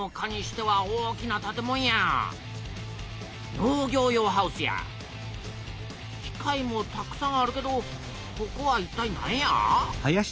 農業用ハウスや機械もたくさんあるけどここはいったいなんや？